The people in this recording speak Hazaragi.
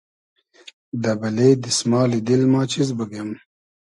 دۂ بئلې دیسمالی دیل ما چیز بوگیم